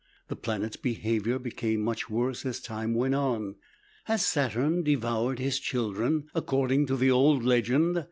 The planet's behavior became much worse as time went on. "Has Saturn devoured his children, according to the old legend?"